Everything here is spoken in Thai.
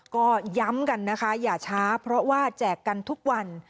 ก็ย้ำกันนะคะอย่าช้าเพราะว่าแจกกันทุกวัน